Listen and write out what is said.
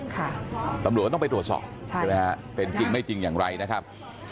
ค่ะตำรวจต้องไปโดรสอบใช่แล้วเป็นจริงไม่จริงอย่างไรนะครับ